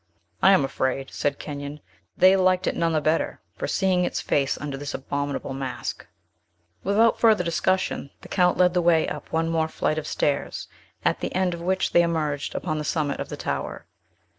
"I am afraid," said Kenyon, "they liked it none the better, for seeing its face under this abominable mask." Without further discussion, the Count led the way up one more flight of stairs, at the end of which they emerged upon the summit of the tower.